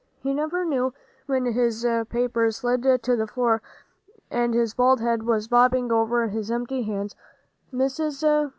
He never knew when his paper slid to the floor, and his bald head was bobbing over his empty hands. Mrs.